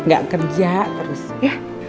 gak kerja terus ya